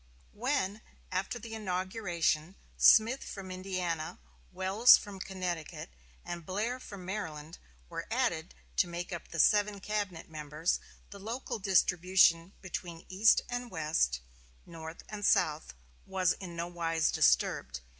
When, after the inauguration, Smith from Indiana Welles from Connecticut, and Blair from Maryland were added to make up the seven cabinet members, the local distribution between East and West, North and South, was in no wise disturbed.